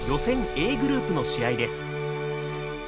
Ａグループの試合です。